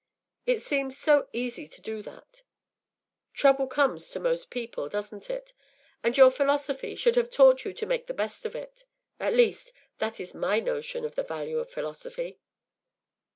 It seems so easy to do that. Trouble comes to most people, doesn’t it? And your philosophy should have taught you to make the best of it. At least, that is my notion of the value of philosophy.